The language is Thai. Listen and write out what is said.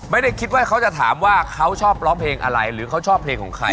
ไม่ได้คิดว่าเขาจะถามว่าเขาชอบร้องเพลงอะไรหรือเขาชอบเพลงของใคร